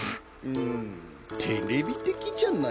んテレビてきじゃないな。